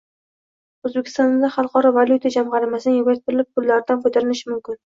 Oʻzbekiston Xalqaro valyuta jamgʻarmasining “vertolyot pullari”dan foydalanishi mumkin.